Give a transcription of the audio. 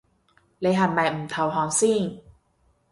你係咪唔投降先